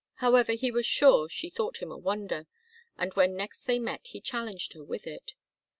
However he was sure she thought him a wonder, and when next they met he challenged her with it.